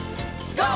ＧＯ！